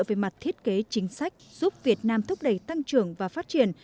về mặt thiết kế chính sách giúp việt nam thúc đẩy tăng trưởng và phát triển